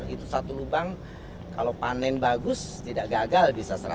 itu satu lubang kalau panen bagus tidak gagal bisa seratus